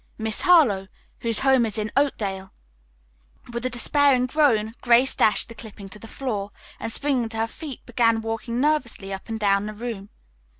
Miss Harlowe, whose home is in Oakdale " With a despairing groan, Grace dashed the clipping to the floor, and springing to her feet began walking nervously up and down the room.